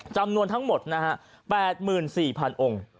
จำนวนทั้งหมดนะฮะแปดหมื่นสี่พันองค์